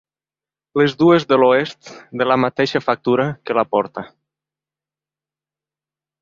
Les dues de l'oest de la mateixa factura que la porta.